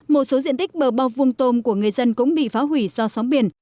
một số diện tích bờ bọc vùng tôm của người dân cũng bị phá hủy do sóng biển